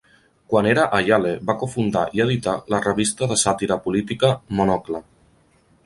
Quan era a Yale, va cofundar i editar la revista de sàtira política "Monocle".